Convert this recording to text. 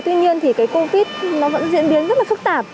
tuy nhiên thì cái covid nó vẫn diễn biến rất là phức tạp